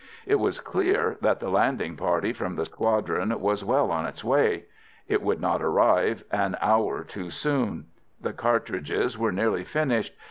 It was clear that the landing party from the squadron was well on its way. It would not arrive an hour too soon. The cartridges were nearly finished.